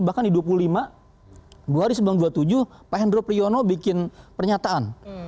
bahkan di dua puluh lima dua hari sebelum dua puluh tujuh pak hendro priyono bikin pernyataan